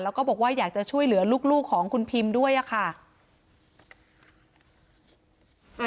แล้วก็บอกว่าอยากจะช่วยเหลือลูกของคุณพิมด้วยค่ะ